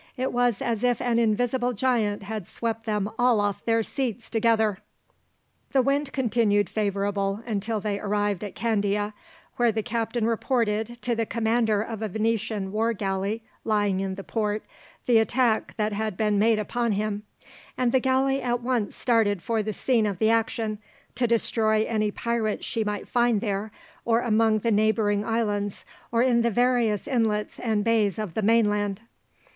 It was as if an invisible giant had swept them all off their seats together." The wind continued favourable until they arrived at Candia, where the captain reported, to the commander of a Venetian war galley lying in the port, the attack that had been made upon him; and the galley at once started for the scene of the action, to destroy any pirates she might find there or among the neighbouring islands, or in the various inlets and bays of the mainland.